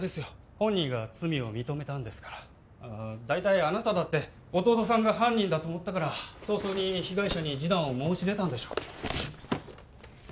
本人が罪を認めたんですから大体あなただって弟さんが犯人だと思ったから早々に被害者に示談を申し出たんでしょ？